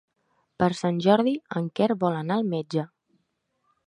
Per Sant Jordi en Quer vol anar al metge.